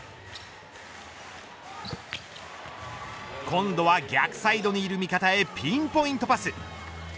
今度は逆サイドにいる味方へピンポイントパス。